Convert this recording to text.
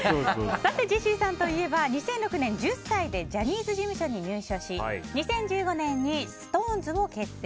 さて、ジェシーさんといえば２００６年、１０歳でジャニーズ事務所に入所し２０１５年にＳｉｘＴＯＮＥＳを結成。